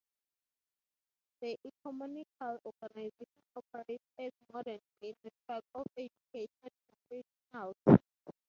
The ecumenical organization operates as a modern-day network of educated professionals.